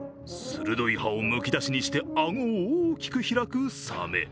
鋭い歯をむき出しにしてあごを大きく開くサメ。